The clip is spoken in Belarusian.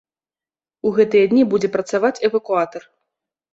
У гэтыя дні будзе працаваць эвакуатар.